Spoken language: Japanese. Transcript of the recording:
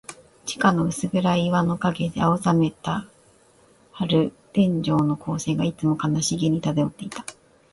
地下の薄暗い岩の影で、青ざめた玻璃天井の光線が、いつも悲しげに漂っていた。